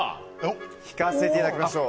聞かせていただきましょう。